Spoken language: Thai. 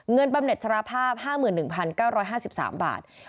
เงินบำเน็ตชาราภาพ๕๑๙๕๓บาท